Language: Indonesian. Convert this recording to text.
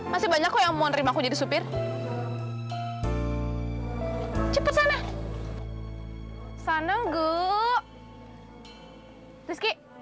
masih banyak yang mau nerima aku jadi supir cepet sana sana nggu